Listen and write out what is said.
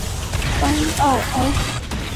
邦奥埃。